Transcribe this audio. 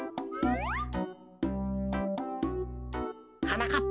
はなかっ